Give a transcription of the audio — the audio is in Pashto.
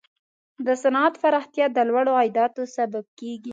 د صنعت پراختیا د لوړو عایداتو سبب کیږي.